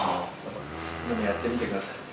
今のやってみてください。